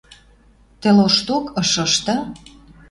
Тӹ лошток ышышты